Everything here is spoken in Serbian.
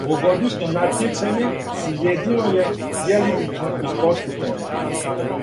Овогодишње натјецање слиједило је дјелимично и спортску тему.